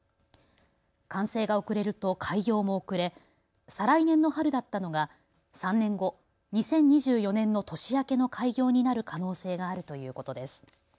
完成が遅れると開業も遅れ再来年の春だったのが３年後、２０２４年の年明けの開業になる可能性があるということです。